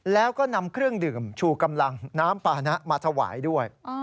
แล้วก็นำเครื่องดื่มชูกำลังน้ำปาหนะมาถวายด้วย